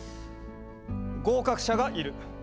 合格者がいる。